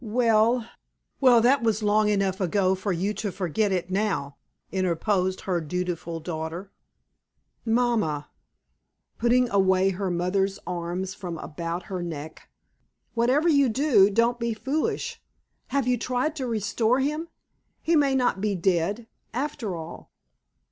"Well, well, that was long enough ago for you to forget it now," interposed her dutiful daughter. "Mamma" putting away her mother's arms from about her neck "whatever you do, don't be foolish. Have you tried to restore him? He may not be dead, after all."